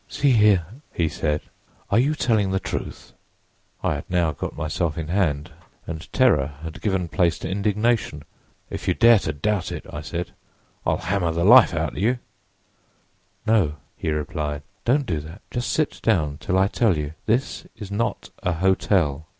'See here,' he said, 'are you telling the truth?' "I had now got myself in hand and terror had given place to indignation. 'If you dare to doubt it,' I said, 'I'll hammer the life out of you!' "'No,' he replied, 'don't do that; just sit down till I tell you. This is not a hotel.